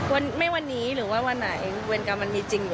วันไม่วันนี้หรือวันไหน